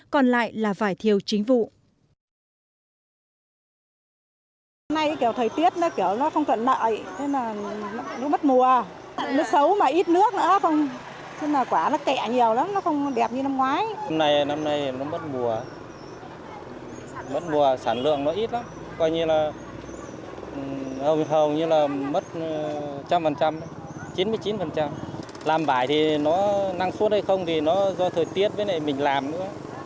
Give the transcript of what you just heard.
còn lại là vải thiếu chính vụ